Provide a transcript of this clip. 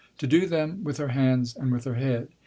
To do them with her hands and with her head.